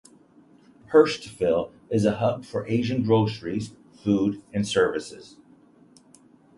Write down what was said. Hurstville is a hub for Asian groceries, food and services.